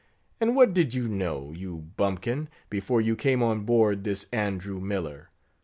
And what did you know, you bumpkin! before you came on board this _Andrew Miller?